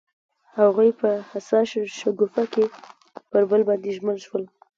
هغوی په حساس شګوفه کې پر بل باندې ژمن شول.